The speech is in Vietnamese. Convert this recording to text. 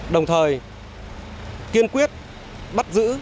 đồng thời kiên quyết bắt giữ